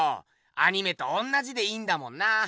アニメとおんなじでいいんだもんな。